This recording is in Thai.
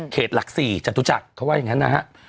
เขตหลัก๔จัดตุจักรเขาตั้งเองงั้นนะ